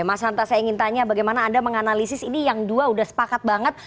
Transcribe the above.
mas hanta saya ingin tanya bagaimana anda menganalisis ini yang dua sudah sepakat banget